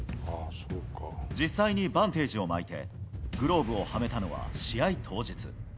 実際にバンテージを巻いてグローブをはめたのは試合当日。